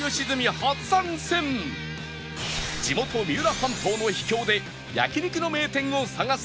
地元三浦半島の秘境で焼肉の名店を探す